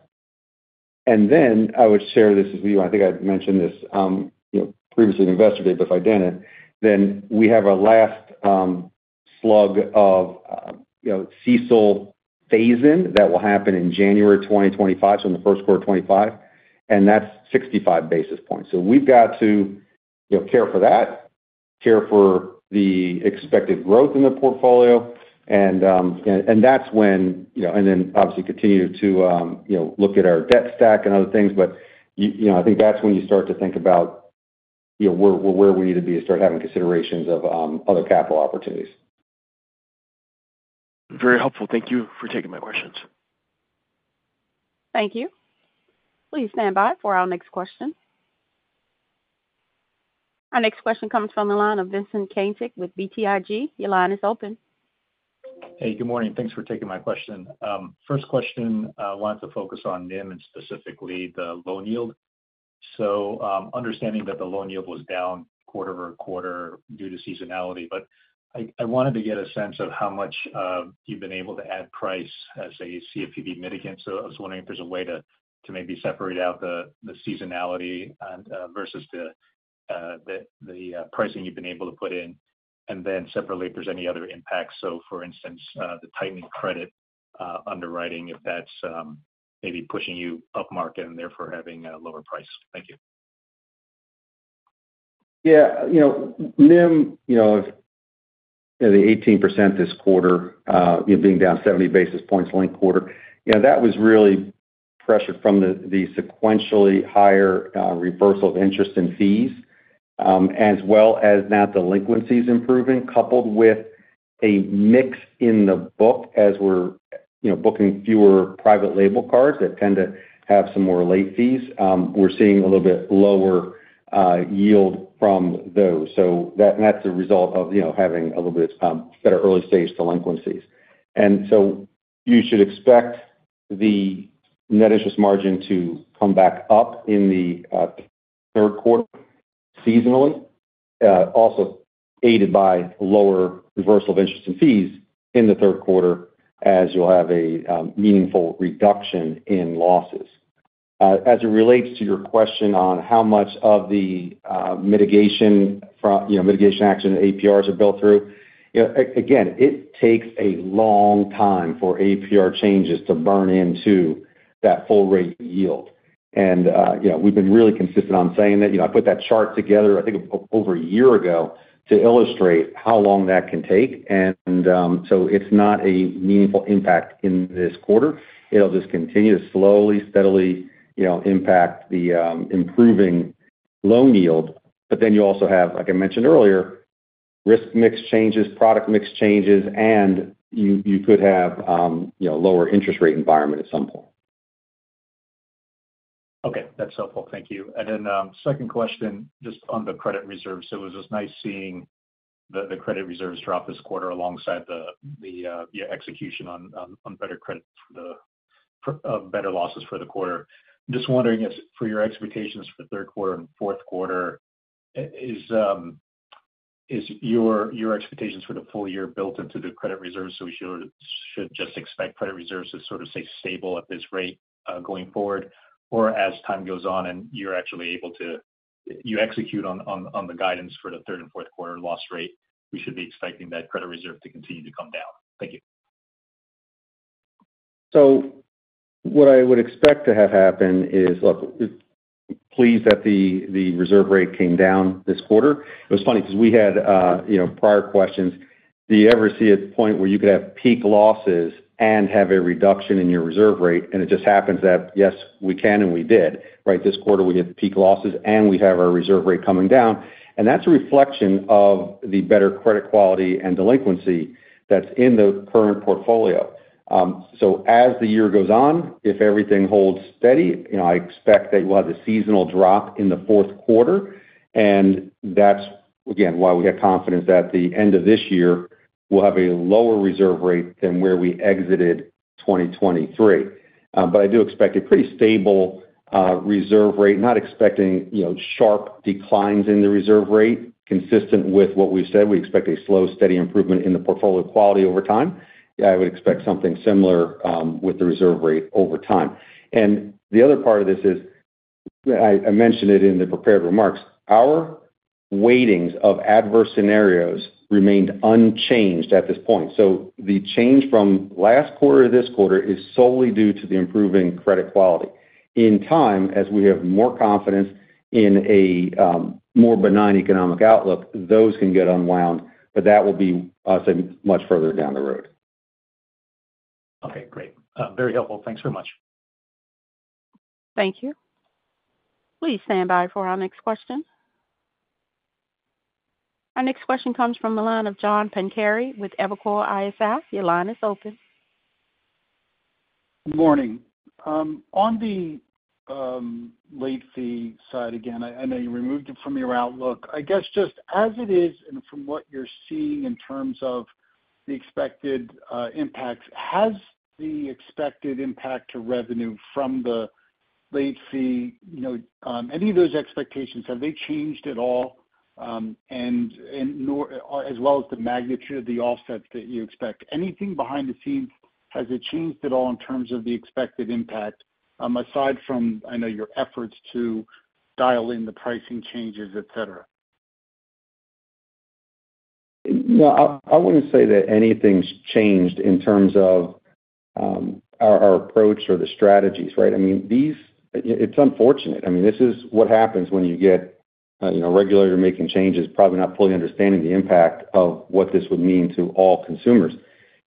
And then I would share this with you. I think I mentioned this previously at Investor Day, but if I didn't, then we have our last slug of CECL phase-in that will happen in January 2025, so in the first quarter of 2025. And that's 65 basis points. So we've got to care for that, care for the expected growth in the portfolio. And that's when and then obviously continue to look at our debt stack and other things. But I think that's when you start to think about where we need to be and start having considerations of other capital opportunities. Very helpful. Thank you for taking my questions. Thank you. Please stand by for our next question. Our next question comes from Vincent Caintic with BTIG. Your line is open. Hey, good morning. Thanks for taking my question. First question wants to focus on NIM and specifically the loan yield. So understanding that the loan yield was down quarter-over-quarter due to seasonality, but I wanted to get a sense of how much you've been able to add price as a CFPB mitigant. So I was wondering if there's a way to maybe separate out the seasonality versus the pricing you've been able to put in, and then separately, if there's any other impacts. So for instance, the tightening credit underwriting, if that's maybe pushing you up market and therefore having a lower price. Thank you. Yeah. NIM of the 18% this quarter, being down 70 basis points last quarter, that was really pressured from the sequentially higher reversal of interest and fees, as well as now delinquencies improving, coupled with a mix in the book as we're booking fewer private label cards that tend to have some more late fees. We're seeing a little bit lower yield from those. So that's the result of having a little bit better early-stage delinquencies. And so you should expect the net interest margin to come back up in the third quarter seasonally, also aided by lower reversal of interest and fees in the third quarter, as you'll have a meaningful reduction in losses. As it relates to your question on how much of the mitigation action and APRs are built through, again, it takes a long time for APR changes to burn into that full-rate yield. And we've been really consistent on saying that I put that chart together, I think, over a year ago to illustrate how long that can take. And so it's not a meaningful impact in this quarter. It'll just continue to slowly, steadily impact the improving loan yield. But then you also have, like I mentioned earlier, risk mix changes, product mix changes, and you could have a lower interest rate environment at some point. Okay. That's helpful. Thank you. And then second question, just on the credit reserves. It was just nice seeing the credit reserves drop this quarter alongside the execution on better credit for the better losses for the quarter. Just wondering if for your expectations for third quarter and fourth quarter, is your expectations for the full year built into the credit reserves? So we should just expect credit reserves to sort of stay stable at this rate going forward, or as time goes on and you're actually able to execute on the guidance for the third and fourth quarter loss rate, we should be expecting that credit reserve to continue to come down? Thank you. So what I would expect to have happened is, look, please, that the reserve rate came down this quarter. It was funny because we had prior questions. Do you ever see a point where you could have peak losses and have a reduction in your reserve rate? And it just happens that, yes, we can, and we did, right? This quarter, we had peak losses, and we have our reserve rate coming down. And that's a reflection of the better credit quality and delinquency that's in the current portfolio. So as the year goes on, if everything holds steady, I expect that we'll have a seasonal drop in the fourth quarter. And that's, again, why we have confidence that at the end of this year, we'll have a lower reserve rate than where we exited 2023. But I do expect a pretty stable reserve rate, not expecting sharp declines in the reserve rate, consistent with what we've said. We expect a slow, steady improvement in the portfolio quality over time. I would expect something similar with the reserve rate over time. The other part of this is, I mentioned it in the prepared remarks, our weightings of adverse scenarios remained unchanged at this point. The change from last quarter to this quarter is solely due to the improving credit quality. In time, as we have more confidence in a more benign economic outlook, those can get unwound, but that will be much further down the road. Okay. Great. Very helpful. Thanks very much. Thank you. Please stand by for our next question. Our next question comes from John Pancari with Evercore ISI. Your line is open. Good morning. On the late fee side, again, I know you removed it from your outlook. I guess just as it is and from what you're seeing in terms of the expected impacts, has the expected impact to revenue from the late fee, any of those expectations, have they changed at all, as well as the magnitude of the offsets that you expect? Anything behind the scenes, has it changed at all in terms of the expected impact, aside from, I know, your efforts to dial in the pricing changes, etc.? I wouldn't say that anything's changed in terms of our approach or the strategies, right? I mean, it's unfortunate. I mean, this is what happens when you get a regulator making changes, probably not fully understanding the impact of what this would mean to all consumers.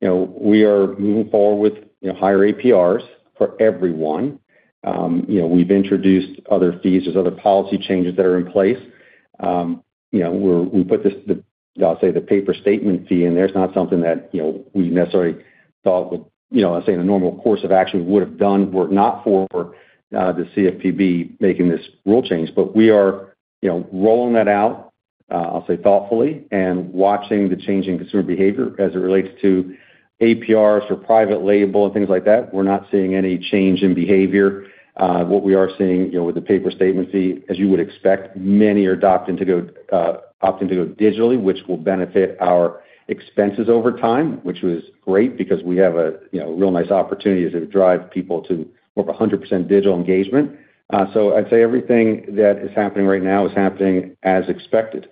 We are moving forward with higher APRs for everyone. We've introduced other fees. There's other policy changes that are in place. We put this, I'll say, the paper statement fee in there. It's not something that we necessarily thought would, I'd say, in a normal course of action, we would have done were it not for the CFPB making this rule change. But we are rolling that out, I'll say, thoughtfully and watching the change in consumer behavior as it relates to APRs for private label and things like that. We're not seeing any change in behavior. What we are seeing with the paper statement fee, as you would expect, many are opting to go digitally, which will benefit our expenses over time, which was great because we have a real nice opportunity to drive people to more of a 100% digital engagement. So I'd say everything that is happening right now is happening as expected.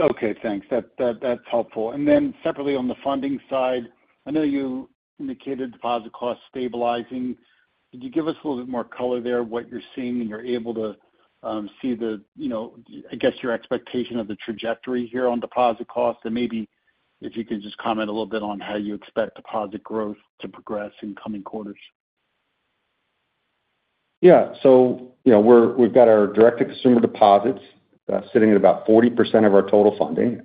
Okay. Thanks. That's helpful. And then separately on the funding side, I know you indicated deposit costs stabilizing. Could you give us a little bit more color there of what you're seeing and you're able to see the, I guess, your expectation of the trajectory here on deposit costs? And maybe if you could just comment a little bit on how you expect deposit growth to progress in coming quarters. Yeah. So we've got our direct-to-consumer deposits sitting at about 40% of our total funding.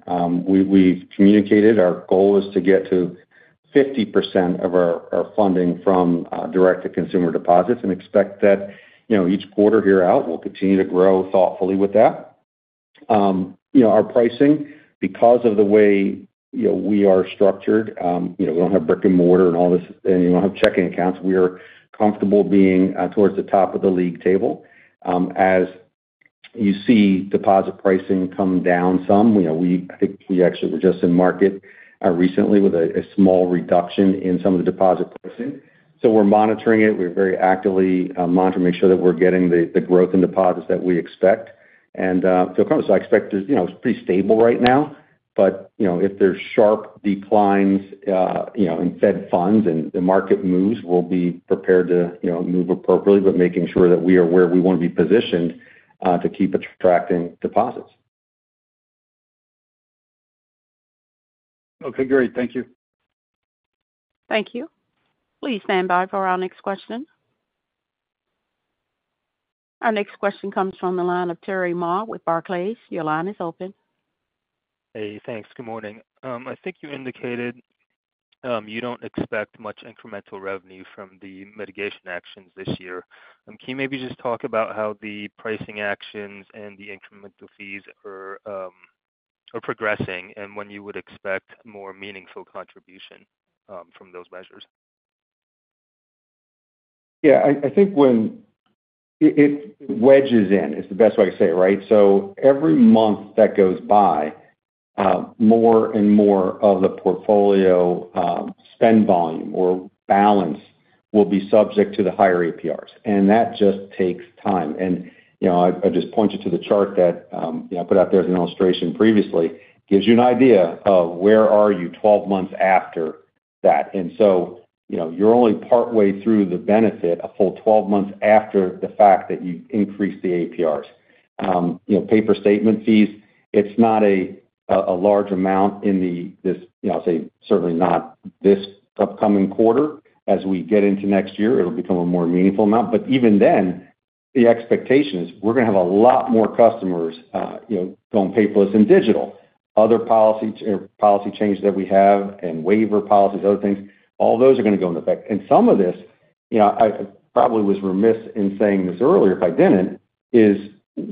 We've communicated our goal is to get to 50% of our funding from direct-to-consumer deposits and expect that each quarter here out, we'll continue to grow thoughtfully with that. Our pricing, because of the way we are structured, we don't have brick-and-mortar and all this, and we don't have checking accounts. We are comfortable being towards the top of the league table. As you see deposit pricing come down some, I think we actually were just in market recently with a small reduction in some of the deposit pricing. So we're monitoring it. We're very actively monitoring to make sure that we're getting the growth in deposits that we expect. And so I expect it's pretty stable right now. But if there's sharp declines in Fed funds and the market moves, we'll be prepared to move appropriately, but making sure that we are where we want to be positioned to keep attracting deposits. Okay. Great. Thank you. Thank you. Please stand by for our next question. Our next question comes from Terry Ma with Barclays. Your line is open. Hey, thanks. Good morning. I think you indicated you don't expect much incremental revenue from the mitigation actions this year. Can you maybe just talk about how the pricing actions and the incremental fees are progressing and when you would expect more meaningful contribution from those measures? Yeah. I think when it wedges in is the best way to say it, right? So every month that goes by, more and more of the portfolio spend volume or balance will be subject to the higher APRs. And that just takes time. And I just pointed to the chart that I put out there as an illustration previously, gives you an idea of where are you 12 months after that. And so you're only partway through the benefit a full 12 months after the fact that you increased the APRs. Paper statement fees, it's not a large amount in this, I'll say, certainly not this upcoming quarter. As we get into next year, it'll become a more meaningful amount. But even then, the expectation is we're going to have a lot more customers going paperless and digital. Other policy changes that we have and waiver policies, other things, all those are going to go into effect. And some of this, I probably was remiss in saying this earlier if I didn't, is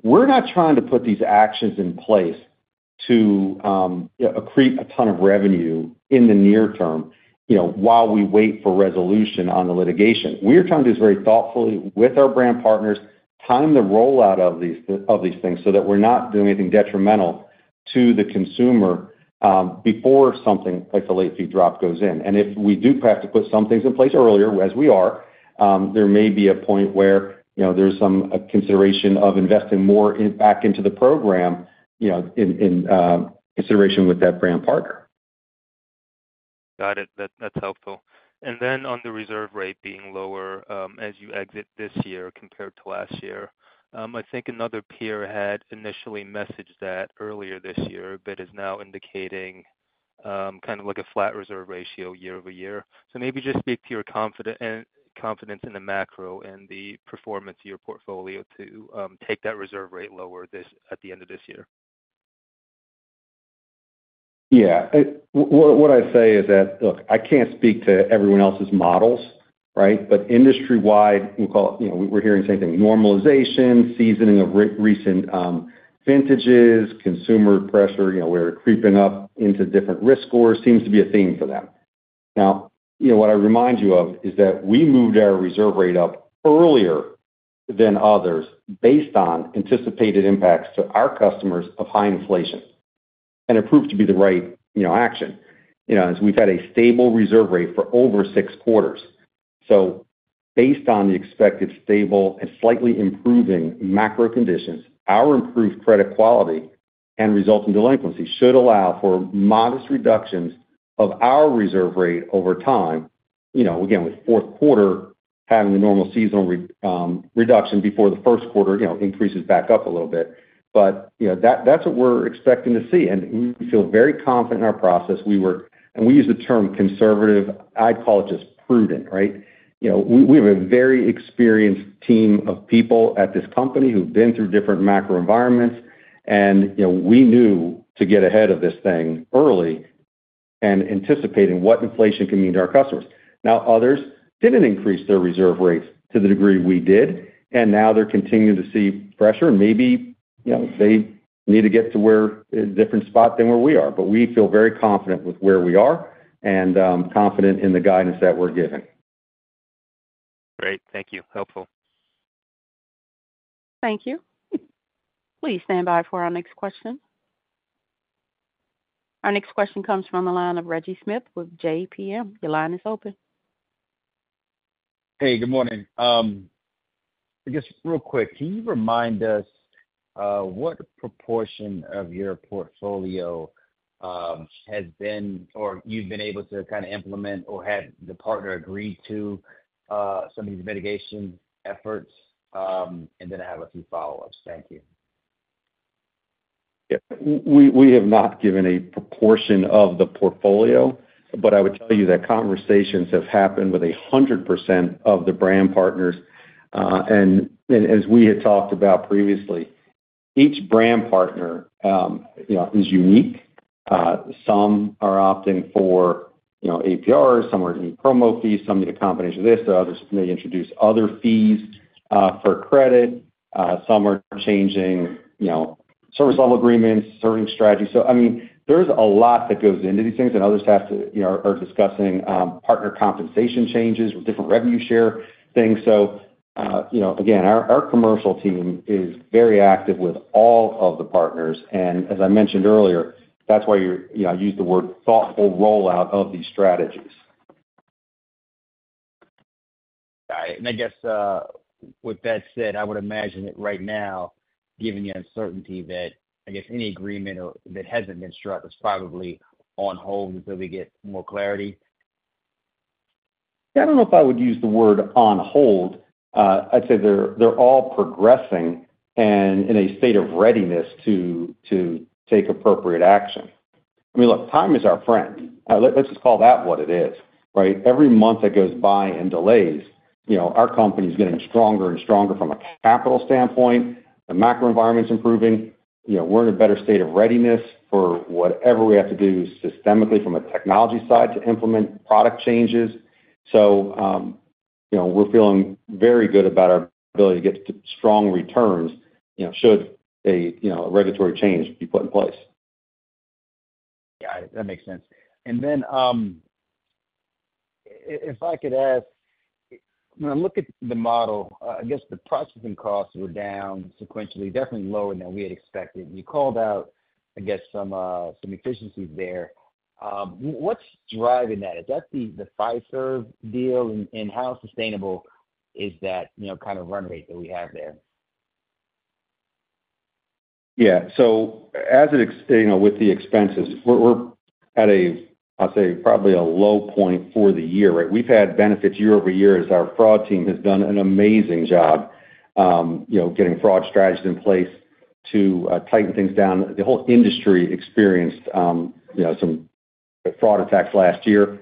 we're not trying to put these actions in place to accrete a ton of revenue in the near term while we wait for resolution on the litigation. We're trying to do this very thoughtfully with our brand partners, time the rollout of these things so that we're not doing anything detrimental to the consumer before something like the late fee drop goes in. And if we do have to put some things in place earlier, as we are, there may be a point where there's some consideration of investing more back into the program in consideration with that brand partner. Got it. That's helpful. And then on the reserve rate being lower as you exit this year compared to last year, I think another peer had initially messaged that earlier this year but is now indicating kind of like a flat reserve ratio year-over-year. So maybe just speak to your confidence in the macro and the performance of your portfolio to take that reserve rate lower at the end of this year? Yeah. What I say is that, look, I can't speak to everyone else's models, right? But industry-wide, we're hearing the same thing. Normalization, seasoning of recent vintages, consumer pressure, we're creeping up into different risk scores seems to be a theme for them. Now, what I remind you of is that we moved our reserve rate up earlier than others based on anticipated impacts to our customers of high inflation. It proved to be the right action. We've had a stable reserve rate for over six quarters. Based on the expected stable and slightly improving macro conditions, our improved credit quality and resulting delinquency should allow for modest reductions of our reserve rate over time. Again, with fourth quarter having the normal seasonal reduction before the first quarter increases back up a little bit. That's what we're expecting to see. We feel very confident in our process. We use the term conservative. I'd call it just prudent, right? We have a very experienced team of people at this company who've been through different macro environments. And we knew to get ahead of this thing early and anticipating what inflation can mean to our customers. Now, others didn't increase their reserve rates to the degree we did. And now they're continuing to see pressure. And maybe they need to get to a different spot than where we are. But we feel very confident with where we are and confident in the guidance that we're giving. Great. Thank you. Helpful. Thank you. Please stand by for our next question. Our next question comes from the line of Reggie Smith with JPMorgan. Your line is open. Hey, good morning. I guess real quick, can you remind us what proportion of your portfolio has been or you've been able to kind of implement or had the partner agree to some of these mitigation efforts? And then I have a few follow-ups. Thank you. Yeah. We have not given a proportion of the portfolio. But I would tell you that conversations have happened with 100% of the brand partners. And as we had talked about previously, each brand partner is unique. Some are opting for APRs. Some are getting promo fees. Some need a combination of this. Others may introduce other fees for credit. Some are changing service level agreements, servicing strategies. So I mean, there's a lot that goes into these things. And others are discussing partner compensation changes with different revenue share things. So again, our commercial team is very active with all of the partners. And as I mentioned earlier, that's why I use the word thoughtful rollout of these strategies. Got it. I guess with that said, I would imagine that right now, given the uncertainty that I guess any agreement that hasn't been struck is probably on hold until we get more clarity? Yeah. I don't know if I would use the word on hold. I'd say they're all progressing and in a state of readiness to take appropriate action. I mean, look, time is our friend. Let's just call that what it is, right? Every month that goes by and delays, our company is getting stronger and stronger from a capital standpoint. The macro environment's improving. We're in a better state of readiness for whatever we have to do systemically from a technology side to implement product changes. So we're feeling very good about our ability to get strong returns should a regulatory change be put in place. Yeah. That makes sense. Then if I could ask, when I look at the model, I guess the processing costs were down sequentially, definitely lower than we had expected. And you called out, I guess, some efficiencies there. What's driving that? Is that the Fiserv deal? And how sustainable is that kind of run rate that we have there? Yeah. So with the expenses, we're at a, I'll say, probably a low point for the year, right? We've had benefits year-over-year as our fraud team has done an amazing job getting fraud strategies in place to tighten things down. The whole industry experienced some fraud attacks last year.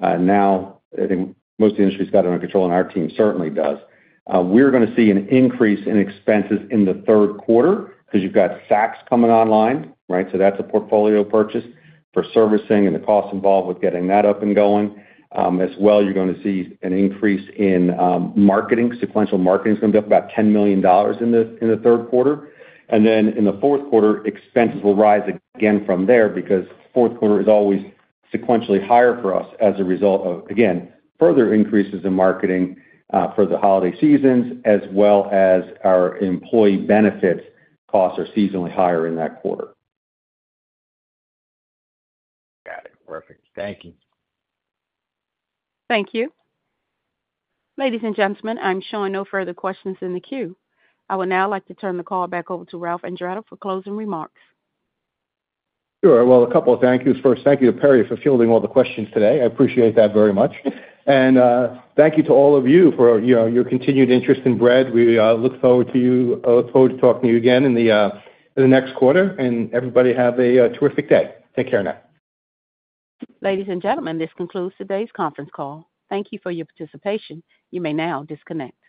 Now, I think most of the industry's got it under control, and our team certainly does. We're going to see an increase in expenses in the third quarter because you've got Saks coming online, right? So that's a portfolio purchase for servicing and the costs involved with getting that up and going. As well, you're going to see an increase in marketing. Sequential marketing is going to be up about $10 million in the third quarter. And then in the fourth quarter, expenses will rise again from there because the fourth quarter is always sequentially higher for us as a result of, again, further increases in marketing for the holiday seasons, as well as our employee benefits costs are seasonally higher in that quarter. Got it. Perfect. Thank you. Thank you. Ladies and gentlemen, I'm showing no further questions in the queue. I would now like to turn the call back over to Ralph Andretta for closing remarks. Sure. Well, a couple of thank yous. First, thank you to Perry for fielding all the questions today. I appreciate that very much. Thank you to all of you for your continued interest in Bread. We look forward to talking to you again in the next quarter. Everybody have a terrific day. Take care now. Ladies and gentlemen, this concludes today's conference call. Thank you for your participation. You may now disconnect.